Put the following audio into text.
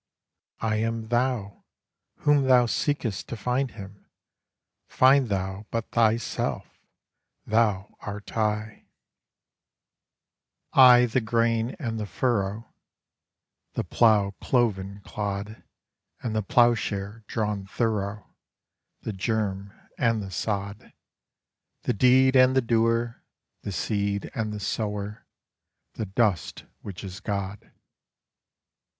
I am thou, whom thou seekest to find him; find thou but thyself, thou art I. I the grain and the furrow, The plough cloven clod And the ploughshare drawn thorough, The germ and the sod, The deed and the doer, the seed and the sower, the dust which is God.